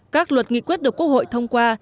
các luật nghị quyết được quốc hội thông qua